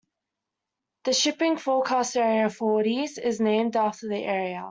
The Shipping Forecast area "Forties" is named after the area.